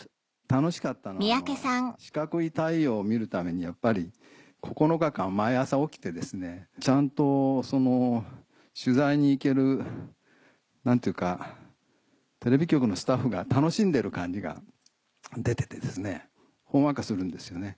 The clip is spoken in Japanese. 楽しかったのは四角い太陽を見るためにやっぱり９日間毎朝起きてですねちゃんと取材に行ける何というかテレビ局のスタッフが楽しんでいる感じが出ててほんわかするんですよね。